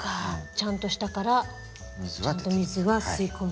ちゃんと下からちゃんと水は吸い込むと。